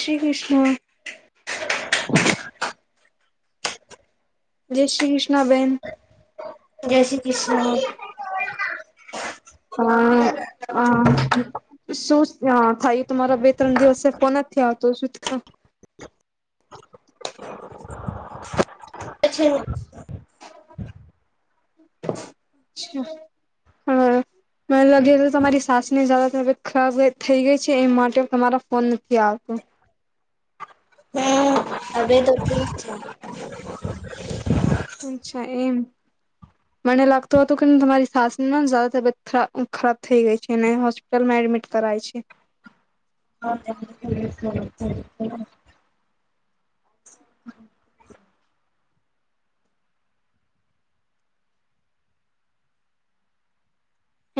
શ્રી કૃષ્ણ. જય શ્રી કૃષ્ણ બેન. જય શ્રી કૃષ્ણ હા. હા, શું થાય તમારા બે ત્રણ દિવસે ફોન નથી આવતો શું [inaudible] હમ. મને લાગે તમારી સાસની જ તબિયત ખરાબ થઈ ગઈ છે એમ માટે તમારો ફોન નથી આવતો. ને હવે તો ઠીક છે. અચ્છા એમ. મને લાગતું હતું કે તમારી સાસમાં જાયદા તબિયત ખરાબ ખરાબ થઈ ગઈ છે અને હોસ્પિટલમાં એડમિટ કરાય છે. [unintelligible]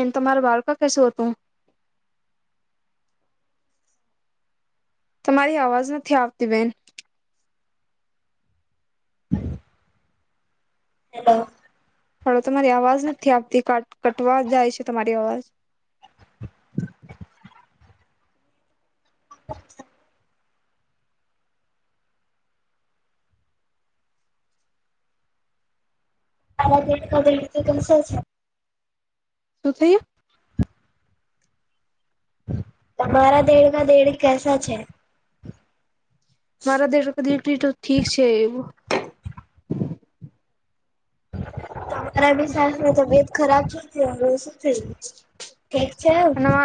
એ તમારા બાળકા કેશે હતું. તમારી અવાજ નથી આવતી બેન. હેલો. હલો તમારી અવાજ નથી આવતી ક કટવા જાય છે તમારી અવાજ. [inaudible] શું [unintelligible] તમારા દેડમાં દેડ કેસા છે. મારા દેઢ [unintelligible] ઠીક છે એવું. તમારા બી સાને તબિયત ખરાબ છે. થયું? ઠીક છે? ના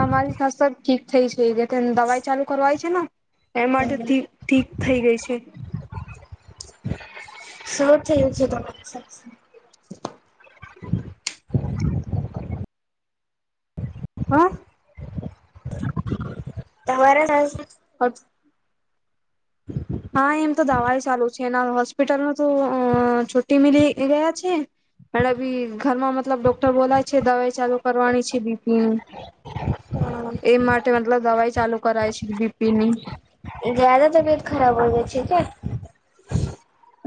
અમારી [unintelligible] ઠીક થઈ છે એ. દવાઈ ચાલુ કરવાય છે ને એ માટે ઠીક થઈ ગઈ છે. શું થયું છે તમારી સાસને? હા. તમારા સાસ [inaudible] હા એમ તો દવાય ચાલુ છે એના હોસ્પિટલમાં તો અ છુટી મિલી ગયા છે. અને બી ઘરમાં મતલબ ડોક્ટર બોલાય છે દવાઈ ચાલુ કરવાની છે બીપી નું એ માટે મતલબ દવાઈ ચાલુ કરાય છે બીપી ની. જ્યાદા તબિયત ખરાબ હો ગઈ છે કે?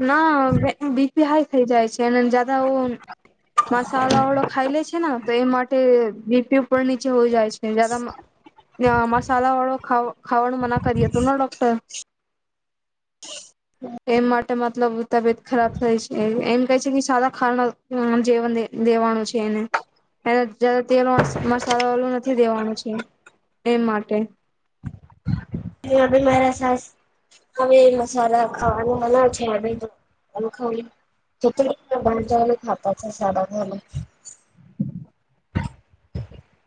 ના બીપી હાઈ થઈ જાય છે એ જદા મસાલા વાળો ખાઈ લે છે ને તો એ માટે બીપી ઉપર નીચે હોય જાય છે જયાદા મસાલા વાળો ખાવાનું મના કરીયું હતું ડોક્ટર એ માટે મતલબ તબિયત ખરાબ થાય છે એમ કહે છે કે સારા ખાના જેવ દેવાનું છે એને એને જયાદા તેલ મસાલા વાળું નથી દેવાનું છે એ માટે. [unintelligible] ભી મારા સાસ હવે મસાલા ખાવાનું મના છે [unintelligible] [unintelligible] ભણતા ને ખાતા છે સાડા ત્રણે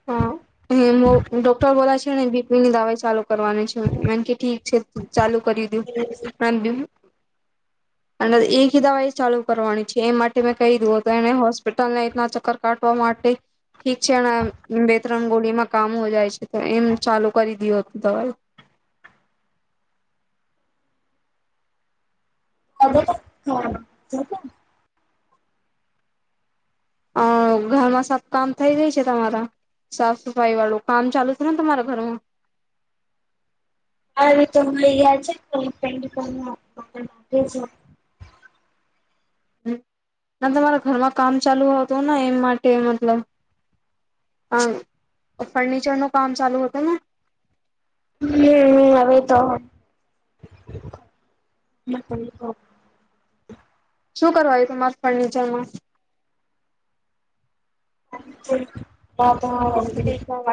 હા. ડોક્ટર બોલા છે ને બીપી ની દવાઈ ચાલુ કરવાની છે મેન કે ઠીક છે ચાલુ કર્યું [inaudible] [unintelligible] અને એકી દવાઈ ચાલુ કરવાની છે એ માટે મેં કહી દુ તો એને હોસ્પિટલ ના ઇતના ચક્કર કાટવા માટે ઠીક છે અને બે ત્રણ ગોળીમાં કામ હો જાય છે તો એમ ચાલુ કરી દિયો દવાઈ [unintelligible] [unintelligible] અ ઘરમાં સબ કામ થઈ રહી છે તમારા. સાફ સફાઈ વાળું કામ ચાલુ છે ને તમારા ઘરમાં હા તો યાર છે ને [unintelligible] હ ના તમારા ઘરમાં કામ ચાલુ હતું ને એ માટે મતલબ અમ ફર્નિચર નું કામ ચાલુ હતું ને હમ્મ હવે તો [unintelligible] શું કરવાયુ તમારા ફર્નિચર માં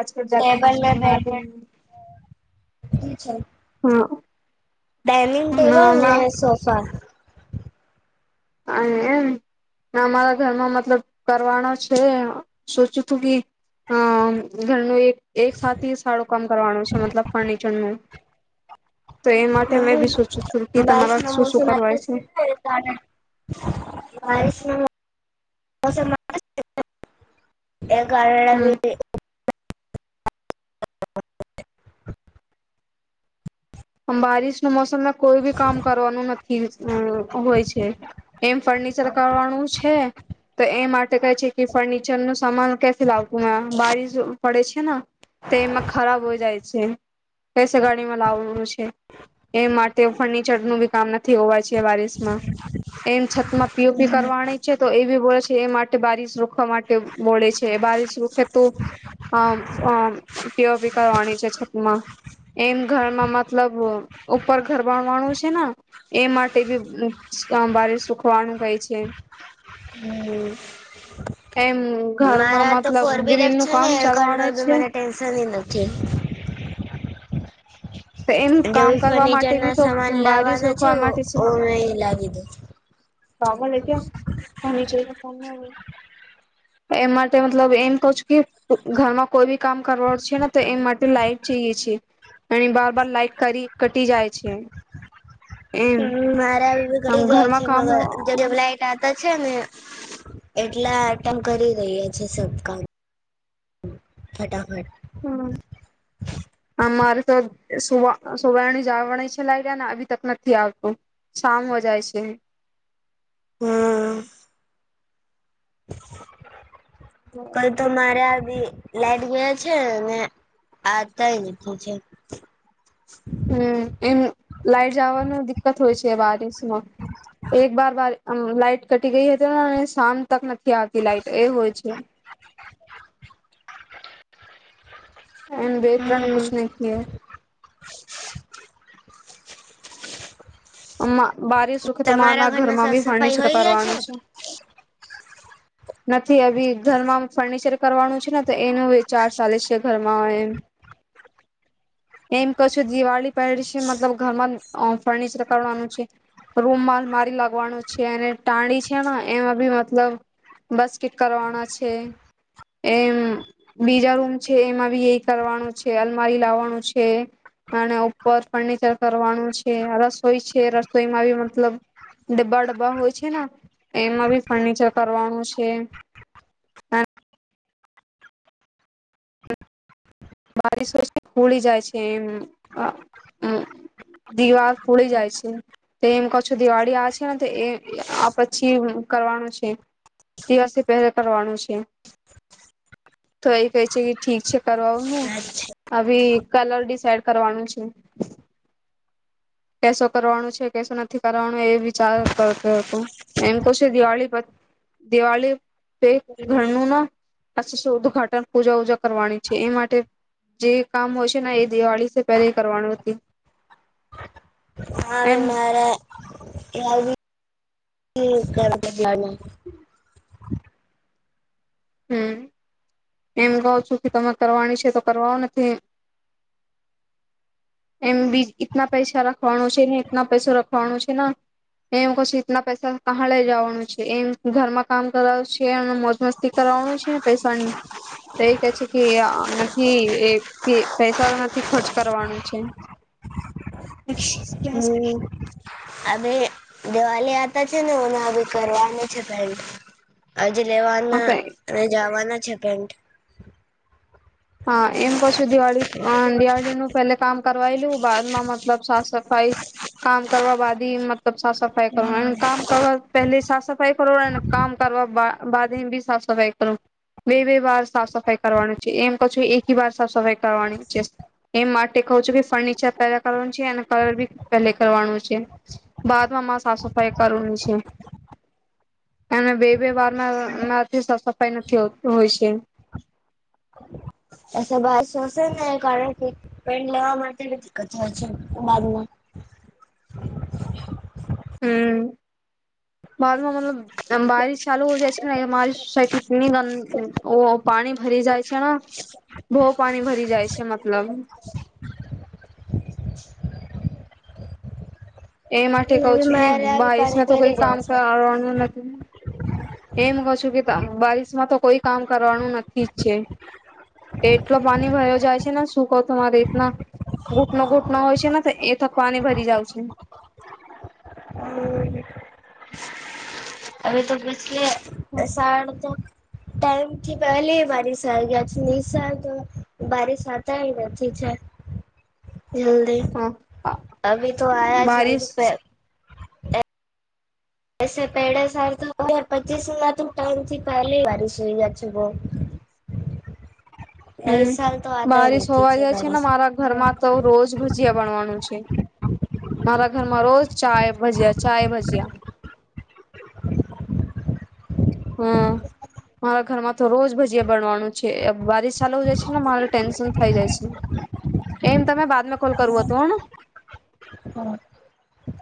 આજકલ જાતી ટેબલ મે બીજી બેઠ [inaudible] છે. હા. ડાયનિંગ ટેબલ ને સોફા હા એમ ના અમારા ઘરમાં મતલબ કરવાનો છે સોચ્યું તું કી અમ ઘરનું એક એકસાથી સારું કામ કરવાનું છે મતલબ ફર્નિચરનું તો એ માટે મે બી સોચું છું કે તમારા શું શું કરવાય છે. એ તારે. [inaudible] [inaudible] [inaudible] એ કારણે હમ [inaudible] [unintelligible] આમ બારિશનું મોસમમાં કોઈ બી કામ કરવાનું નથી હોય છે. એમ ફર્નિચર કરવાનું છે. તો એ માટે કહે છે કે ફર્નિચર નું સમાન ક્યાંથી લાવશું ને બારીશ જો પડે છે ન તે એમાં ખરાબ હોય જાય છે કસે ગાડીમાં લાવવાનું છે. એ માટે ફર્નચર નું બી કામ નથી હોવાય છે બરિશ માં એમ છતા પીઓપી કરવાની છે. તો એ બી બોલે છે એ માટે બારીસ સુખવા માટે બોલેે છે બારીસ સુખે તુ અમ અમ પીઓપી કરવાની છે છત માં એમ ઘરમાં મતલબ ઉપર ઘર બણવાનું છે ને. એ માટે બી બારીશ સુખવાનું કએ છે. હમ્મ એમ ઘરમાં મારા તો મતલબ ફોર ગ્રીલ વ્હીલર નું છે ને કામ ઘર મા ચાલવાનું મબી છે મને ટેન્શન નથી. તો એમ કામ જેવી કરવા માટે ફર્નિચર ના બી તો સામાન બારીશ લાવવાના છે રોકવા માટે ઓમે લાગી દો. પાગલ હે ક્યા [unintelligible] એ માટે મતલબ એમ કહું છુકી ઘરમાં કોઈ બી કામ કરવાનું છે ને તો એમ માટે લાઈટ જઈએ એ ચએ છીએ. અને બાર બાર લાઈઇટ કરી કટી જાય છે. એમ હમ, મારા આવી બી આમ જાય ઘરમાં છે, કામ મગ હો જેટ. કાકા છે ને એટલા અટેન્ડ કરી રહ્યા છે સબ કામ ફટાફટ. હમ. હ મારે તો સુ સુવારણ જ આવણી છે લાવડ્યા ને આવી તક નથી આવતું. શામ હોય જાય છે. હમ કઈ તો મારા બી. લાઈટ ગયા છે આતાય નથી છે. હમ એમ લાઈટ જવાનું દિકકત હોય છે બિસમાં એક વાર વા મ લાાઈટ કટી ગઈ હતી ને અને શામ તક નથી આવતી લાઈટ એ હોય છે. એ બેતરણ હમ કુછ નહી કિયા હૈ. આમાં બારીસ સુખે તો મા તમારા ના ઘરના ઘરમાં સાફ બી સફાઈ ફર્નિચર હોય કરવાનું ગયા છે. નથી અભી ઘરમાં ફર્નિચર કરવાનું છે ને તો એનુંચાર ચાલે છે ઘરમાં એમ. એમ કઉં છું દિવાળી પહેલી છે મતલબ ઘરમાં ફર્નિચર કરવાનું છે. રૂમમાં મારી લાગવાનો છે અને ટાંડી છે ને એમાં બી મતલબ બસકીટ કરવાના છે એમ. બીજા રૂમ છે એમાં બી એ કરવાનું છે. અલમારી લાવવાનું છે. અને ઉપર ફર્નિચર કરવાનું છે, રસોઈ છે રસોઈમાં બી મતલબ ડબ્બા ડબ્બા હોય છે ને એમાં બી ફર્નિચર કરવાનું છે. બારીસ હોય છે. ખૂળી જાય છે એમ આ હમ દિવાર પોડી જાય છે. તે એમ કહું છું દિવાળી આવે છે ને તો એ આ પછી કરવાનું છે. દિવસે પહેલા કરવાનું છે. તો એ કહે છે કે ઠીક છે કરવાવુ ને છે અચ્છા હવે કલર ડિસાઈડ કરવાનું છે. કેસો કરવાનું છે કેસો નથી કરવાનું એ વિચાર કરતો હતો. એમ કુસી દિવાળી પછ દિવાળી ઘરનું ના ઉદઘાટન પૂજા વુજા કરવાની છે એ માટે જે કામ હોય છે ને એ દિવાળી પહેલે કરવાનું હતે. હા રે એમ મારા [inaudible] હમ એમ કઉ છું કે તમે કરવાની છે તો કરવા નથી. એમ બી ઈતના પૈસા રાખવાનો છે ને એટના પૈસો રખવાનો છે ને. એમ કહું છું ઇતના પૈસા કહા લઈ જવાનું છે એમ ઘરમાં કામ કરાવ છે અને મોજ મસ્તી કરવાનું છે ને પૈસા તો એ કહે છે કે નથી એ પૈસા તો નથી ખર્ચ કરવાનો છે. હમ અભી દિવાલી આતા છે નેના અભી કરવાની છે પેન્ટ આજ લેવાના અને જાવાના છે પેન્ટ હા એમ કહું છું દિવાળી દિવાળીનું પેલે કામ કરવાયલુ બાદમાં મતલબ સાફ સફાઈ કામ કરવા બાદ મતલબ સાફ સફાઈ કરવા કામ કરવા પહેલી સાફ સફાઈ કરોને કામ કરવા બાદે બી સાફ સફાઈ કરું. બે બે વાર સાફ સફાઈ કરવાની છે એમ કશું એકી વાર સાફ સફાઈ કરવાની છે. એમ માટે કહું છું કે ફર્નિચર પહેલા કરવાનું છે અને કલર બી પહેલા કરવાનું છે. બાદમાં મા સાફ સફાઈ કરની છે. અને બે બે વારમાંમાંથી સફાઈ નથી હોતી હોય છે. એ બ શશે ને કારણ કે પેન્ટ લેવા માટે બી દિકકત હોય છે બાદમાં હમ બાદમાં મતલબ આમ બારીશ ચાલુ હો જાય છે ને મારી સાઈ થી પાણી ભરી જાય છે ને. બહુ પણી ભરી જાય છે મતલબ. એ માટે કઉ હવે છું કે મારે આવી પાણી બારીસમાં તો ભરી કોઈ જાય કામ છે કરવાનું નથી. એમ કઉં છું કે બારિશમાં તો કોઈ કામ કરવાનું નથી જ છે. એટલો પાણી ભરયો જાય છે ને શું કહ તું મારી રીતના ઘૂંટનો ઘૂંટનો હોય છે ને એ થકવાને ભરી જાવ છે. હમ હવે તો પછલી સાડ તો ટાઈમ થી પહેલી બરિશ આવી ગયા છે નિશા તો બરિશ આવતાય નથી છે. જલ્દી અભી તો આયા છે નહીં તો બારિશ પે એ પેડે સાર થ પચીસ ત ટાઈમ થી પહેલી વાર સુઈ જ છો બહુ. હમ, બારિશ હોવા જાય છે ને, મારા ઘરમાં તો રોજ ભજીયા બનાવવાનું છે. મારા ઘરમાં રોજ ચાય ભજયા, ચાય ભજીયા. હમ. મારા ઘરમાં તો રોજ ભજીયા બનવાનું છે, બારીશ ચાલવું જાય છે ને, મારે ટેન્શન થઈ જાય છે. એમ તમે બાદ મે ખોલ કરવું હતું. હા